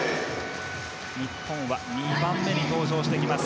日本は２番目に登場してきます。